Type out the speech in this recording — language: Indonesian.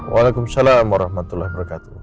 waalaikumsalam warahmatullahi wabarakatuh